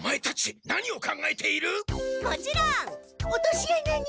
落とし穴に。